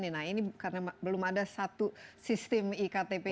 nah ini karena belum ada satu sistem e commerce